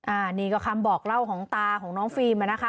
อันนี้ก็คำบอกเล่าของตาของน้องฟิล์มอ่ะนะคะ